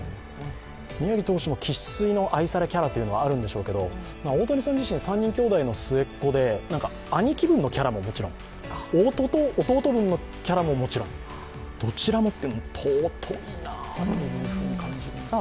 宮城投手も生粋の愛されキャラというのはあるんでしょうけど大谷さん自身、３人きょうだいの末っ子で弟分のキャラももちろんどちらもっていうの尊いなって感じます。